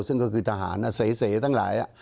ซึ่งก็คือทหารเสทั้งหลาย